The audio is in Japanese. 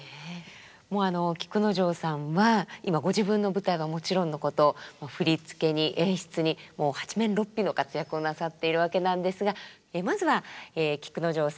もう菊之丞さんは今ご自分の舞台はもちろんのこと振付に演出にもう八面六臂の活躍をなさっているわけなんですがまずは菊之丞さんのプロフィール簡単にまとめました。